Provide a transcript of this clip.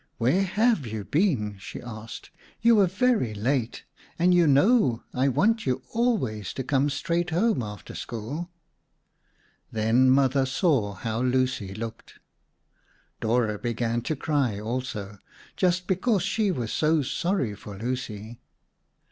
"Where have you been?" she asked. "You are very late and you know I want you always to come straight home after school." Then Mother saw how Lucy looked. Dora began to cry also, just because she was so sorry for Lucy.